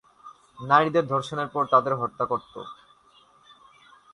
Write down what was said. নারীদের ধর্ষণের পর তাদের হত্যা করতো।